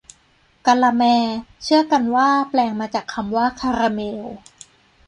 กาละแม เชื่อกันว่าแปลงมาจากคำว่าคาราเมล